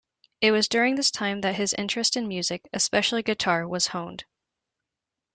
It was during this time that his interest in music, especially guitar, was honed.